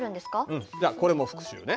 うんじゃあこれも復習ね。